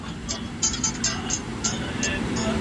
منطقي پایلي د څېړني هدف دی.